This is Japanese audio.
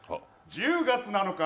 １０月７日